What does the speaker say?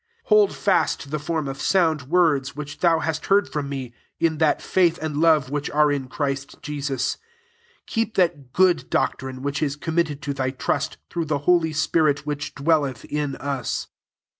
13 Hold fast the form of soupd words, which thou hast leard from me, in that faith ind love which are in Christ fesus. 14 Keep that good doc rine^ which is committed to :hy trust, through the holy spi rit which dwelleth in us.